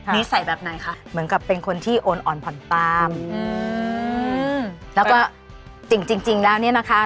นิสัยแบบไหนคะเหมือนกับเป็นคนที่โอนอ่อนผ่อนตามอืมแล้วก็จริงจริงแล้วเนี่ยนะคะ